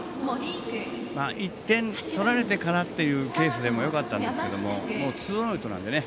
１点取られてからというケースでもよかったんですけどツーアウトなのでね